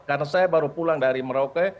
karena saya baru pulang dari merauke